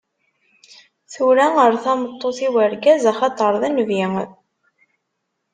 Tura, err tameṭṭut i wergaz, axaṭer d nnbi.